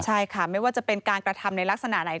ใช่ค่ะไม่ว่าจะเป็นการกระทำในลักษณะไหน